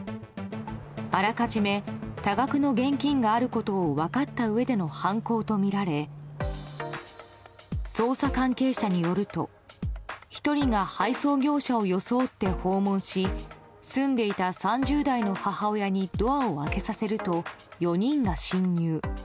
あらかじめ多額の現金があることを分かったうえでの犯行とみられ捜査関係者によると１人が配送業者を装って訪問し住んでいた３０代の母親にドアを開けさせると４人が侵入。